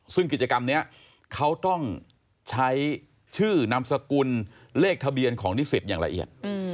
ซึ่งกิจกรรมนี้เขาต้องใช้ชื่อนามสกุลเลขทะเบียนของนิสิตอย่างละเอียด